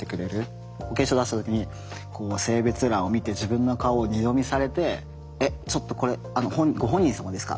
保険証出した時に性別欄を見て自分の顔を二度見されてえっちょっとこれご本人様ですか？